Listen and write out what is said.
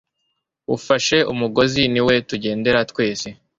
Ufashe umugozi niwe tugendera twese